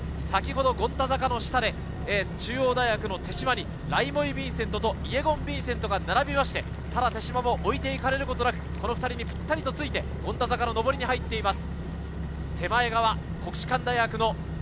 先ほど権太坂の下で中央大の手島にライモイ・ヴィンセントとイェゴン・ヴィンセントが並んで、手島もおいていかれることなく、この２人にぴったりとついて権太坂の上りに入っています。